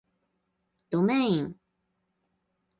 どめいん